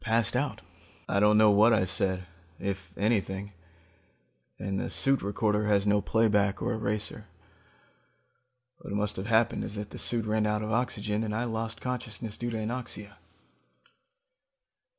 I passed out. I don't know what I said, if anything, and the suit recorder has no playback or eraser. What must have happened is that the suit ran out of oxygen, and I lost consciousness due to anoxia.